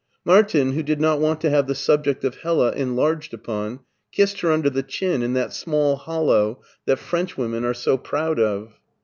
Martin, who did not want to have the subject of Hella enlarged upon, kissed her under the chin in that small hollow that Frenchwomen are so proud of.